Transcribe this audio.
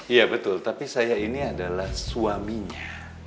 iya betul tapi saya ini adalah suaminya